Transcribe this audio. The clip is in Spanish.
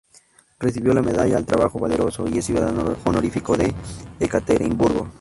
Recibió la medalla "Al Trabajo Valeroso" y es ciudadano honorífico de Ekaterimburgo.